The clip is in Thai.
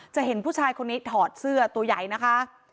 จะเห็นผู้ชายคนนี้ถอดเสื้อตัวใหญ่นะคะ